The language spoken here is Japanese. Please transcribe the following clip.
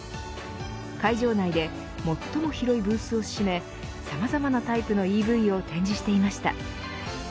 会場内で最も広いブースを占めさまざまなタイプのＥＶを展示していました。